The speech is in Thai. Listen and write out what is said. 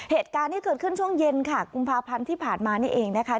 เหตุการณ์ที่เกิดขึ้นช่วงเย็นค่ะกุมภาพันธ์ที่ผ่านมานี่เองนะคะ